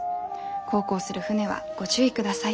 航行する船はご注意ください。